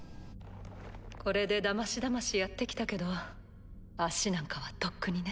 これでだましだましやってきたけど足なんかはとっくにね。